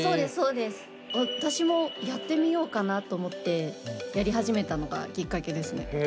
私もやってみようかなと思ってやり始めたのがきっかけですね。